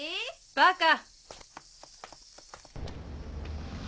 バカ。